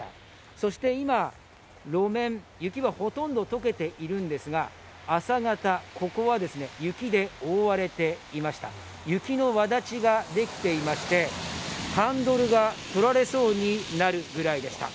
そして今、路面、雪はほとんど溶けているんですが、朝方、ここは雪で覆われていました雪のわだちができていましてハンドルがとられそうになるぐらいでした。